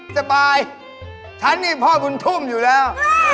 ฉันมีพ่อบุญทุ่มอยู่แล้ว